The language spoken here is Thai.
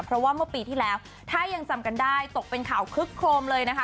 เพราะว่าเมื่อปีที่แล้วถ้ายังจำกันได้ตกเป็นข่าวคึกโครมเลยนะคะ